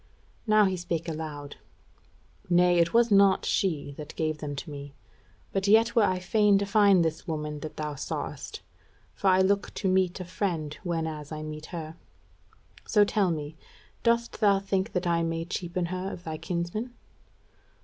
Now he spake aloud: "Nay, it was not she that gave them to me, but yet were I fain to find this woman that thou sawest; for I look to meet a friend whenas I meet her. So tell me, dost thou think that I may cheapen her of thy kinsman?"